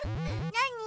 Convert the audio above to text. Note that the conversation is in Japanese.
なに？